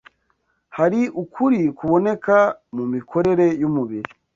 Hari ukuri kuboneka mu mikorere y’umubiri